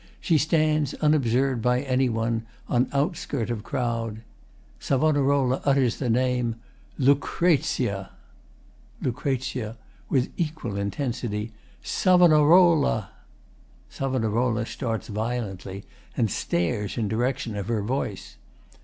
She stands, unobserved by any one, on outskirt of crowd. SAV. utters the name:] Lucrezia! LUC. [With equal intensity.] Savonarola! [SAV. starts violently and stares in direction of her voice.